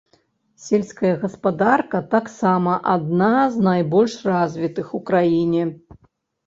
Сельская гаспадарка таксама адна з найбольш развітых у краіне.